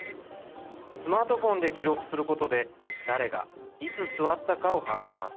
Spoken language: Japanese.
スマートフォンで記録することで、誰が、いつ座ったかを把握します。